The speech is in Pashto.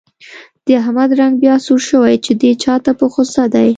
د احمد رنګ بیا سور شوی، چې دی چا ته په غوسه دی.